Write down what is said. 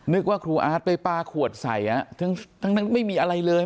ว่าครูอาร์ตไปปลาขวดใส่ทั้งไม่มีอะไรเลย